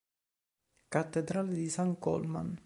Cattedrale di San Colman